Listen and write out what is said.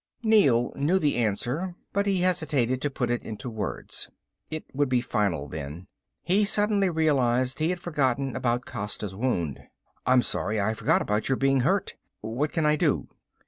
Neel knew the answer, but he hesitated to put it into words. It would be final then. He suddenly realized he had forgotten about Costa's wound. "I'm sorry ... I forgot about your being hurt. What can I do?"